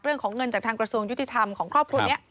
เรื่องของเงินจากทางกระทรวงยุติธรรมของครอบครัวนี้